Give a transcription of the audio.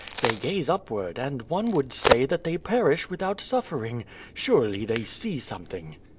They gaze upward, and one would say that they per ish without suffering. Surely, they see something."